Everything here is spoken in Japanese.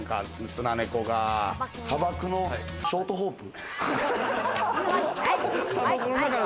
砂漠のショートホープ。